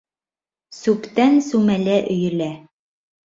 Сүптән сүмәлә өйөлә.